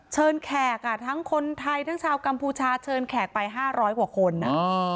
เชิญแขกอ่ะทั้งคนไทยทั้งชาวกัมพูชาเชิญแขกไป๕๐๐กว่าคนอ่ะ